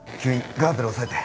ガーゼで押さえて。